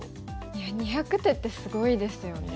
いや２００手ってすごいですよね。